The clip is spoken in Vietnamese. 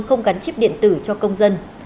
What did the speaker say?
không gắn chip điện tử cho công dân